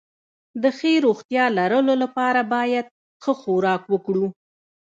د ښې روغتيا لرلو لپاره بايد ښه خوراک وکړو